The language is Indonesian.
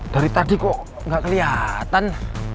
dari tadi kok gak keliatan